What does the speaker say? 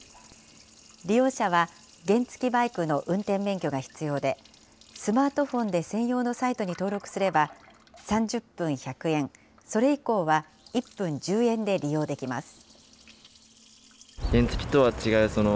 利用者は原付きバイクの運転免許が必要で、スマートフォンで専用のサイトに登録すれば、３０分１００円、それ以降は１分１０円で利用できます。